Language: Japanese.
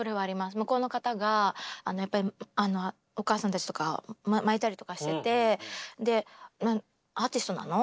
向こうの方がやっぱりおかあさんたちとか巻いたりとかしててアーティストなの？